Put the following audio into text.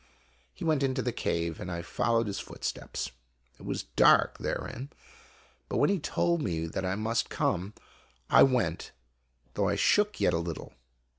He went into the cave, and I followed his footsteps. It was dark therein ; but when he told me that I must come, I went, though I shook yet a little.